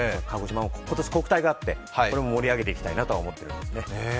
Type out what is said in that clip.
今年、国体があってこれも盛り上げていきたいと思っているんですね。